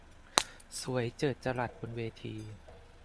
สวยเจิดจรัสบนเวที